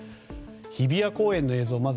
日比谷公園の映像です。